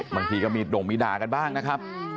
บางทีก็มีด่งมีด่ากันบ้างนะครับ